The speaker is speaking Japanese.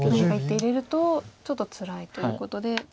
何か１手入れるとちょっとつらいということで。